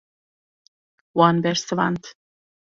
Wan bersivand.